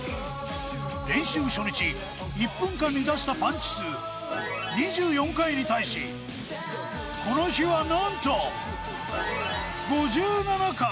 練習初日、１分間に出したパンチ数２４回に対しこの日はなんと５７回。